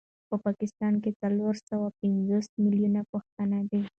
په پاکستان کي څلور سوه پنځوس مليونه پښتانه دي